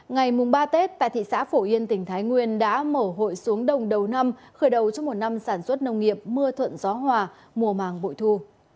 ngày ba tết tại thị xã phổ yên tỉnh thái nguyên đã mở hội xuống đồng đầu năm khởi đầu cho một năm sản xuất nông nghiệp mưa thuận gió hòa mùa màng bội thu